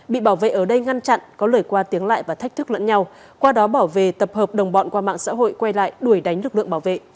bị bảo vệ ở đây ngăn chặn có lời qua tiếng lại và thách thức lẫn nhau qua đó bảo về tập hợp đồng bọn qua mạng xã hội quay lại đuổi đánh lực lượng bảo vệ